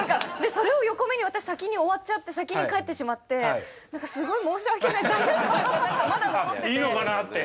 それを横目に私先に終わっちゃって先に帰ってしまって何かすごい申し訳ない罪悪感が何かまだ残ってて。